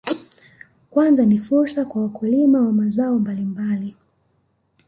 Kwanza ni fursa kwa wakulima wa mazao mbalimbali